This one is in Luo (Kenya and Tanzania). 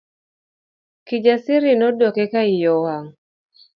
Kijasiri nodwoke ka iye owang'.